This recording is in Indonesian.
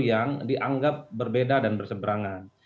yang dianggap berbeda dan berseberangan